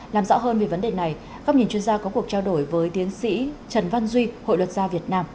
làm rõ hơn về vấn đề này góc nhìn chuyên gia có cuộc trao đổi với tiến sĩ trần văn duy hội luật gia việt nam